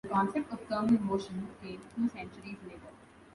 The concept of thermal motion came two centuries later.